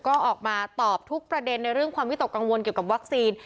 ก็ออกมาตอบทุกประเด็นในเรื่องความวิตกกังวลเกี่ยวกับวัคซีน